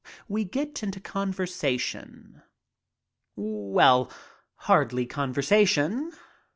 We get into conversa tion. Well, hardly conversation.